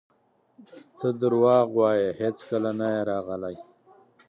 ته درواغ وایې هیڅکله نه یې راغلی!